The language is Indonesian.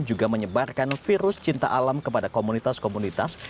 juga menyebarkan virus cinta alam kepada komunitas komunitas